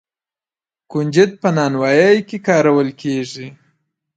کنجد په نانوايۍ کې کارول کیږي.